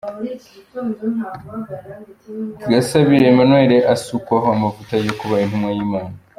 Gasabira Emmanuel asukwaho amavuta yo kuba Intumwa y'Imana.